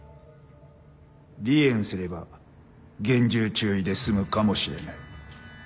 離縁すれば厳重注意で済むかもしれない。